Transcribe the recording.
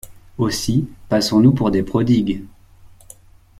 Aussi passons-nous pour des prodigues.